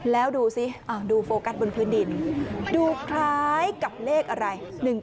แล้วดูสิดูโฟกัสบนพื้นดินดูคล้ายกับเลขอะไร